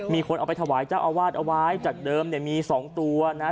มีคนเอาไปถวายเจ้าอาวาสเอาไว้จากเดิมเนี่ยมีสองตัวนะฮะ